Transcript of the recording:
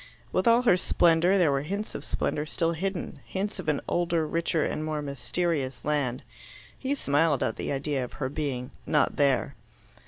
With all her splendour, there were hints of splendour still hidden hints of an older, richer, and more mysterious land. He smiled at the idea of her being "not there."